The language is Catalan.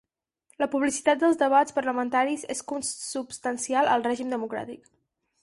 La publicitat dels debats parlamentaris és consubstancial al règim democràtic.